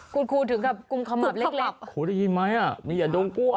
ครูถึงกลุ่มขมับเล็กโอ้โฮถูกยินไหมนี่ยังดงก้วย